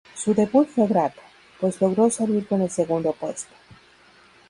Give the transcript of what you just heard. Su debut fue grato, pues logró salir con el segundo puesto.